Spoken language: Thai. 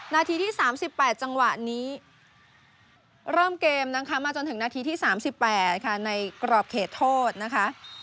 นาทีที่สามสิบแปดจังหวะนี้เริ่มเกมนะคะมาจนถึงนาทีที่สามสิบแปดค่ะในกรอบเขตโทษนะคะ